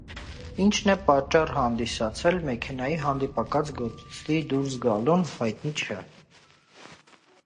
Ինչն է պատճառ հանդիսացել մեքենայի հանդիպակաց գոտի դուրս գալուն հայտնի չէ։